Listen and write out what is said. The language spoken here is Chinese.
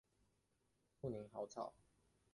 富宁薹草是莎草科薹草属的植物。